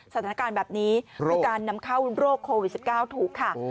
สถานการณ์แบบนี้คือการนำเข้าโรคโควิด๑๙ถูกค่ะ